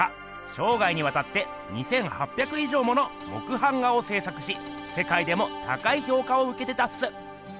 しょうがいにわたって２，８００いじょうもの木版画をせい作しせかいでも高いひょうかをうけてたっす。